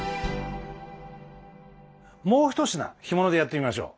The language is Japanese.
もう一品干物でやってみましょう。